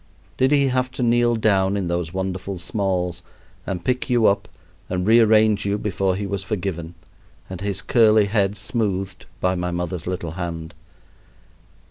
Did he have to kneel down in those wonderful smalls and pick you up and rearrange you before he was forgiven and his curly head smoothed by my mother's little hand?